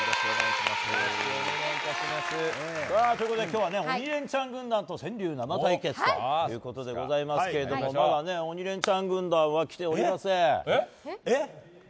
今日は「鬼レンチャン」軍団と川柳生対決ということですけれどもまだ「鬼レンチャン」軍団は来ておりません。